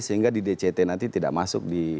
sehingga di dct nanti tidak masuk di